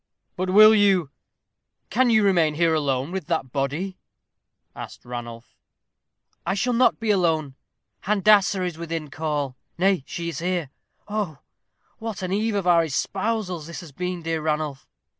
"But will you, can you remain here alone with that body?" asked Ranulph. "I shall not be alone. Handassah is within call nay, she is here. Oh, what an eve of our espousals has this been, dear Ranulph.